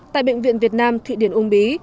tại bệnh viện việt nam thụy điển úng bí